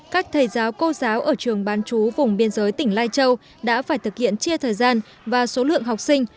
các thầy giáo cô giáo ở trường bán chú vùng biên giới tỉnh lai châu đã phải thực hiện chia thời gian và số lượng học sinh